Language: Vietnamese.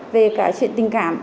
về cả chuyện tình cảm